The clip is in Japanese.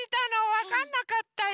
わかんなかったよ。